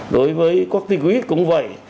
đối với quốc tịch quýt cũng vậy